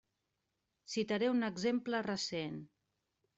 Citaré un exemple recent.